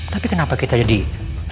tapi kenapa kita jadi ribut kayak gitu